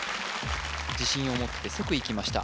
自信を持って即いきました